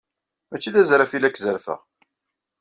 Mačči d azraf i la k-zerrfeɣ.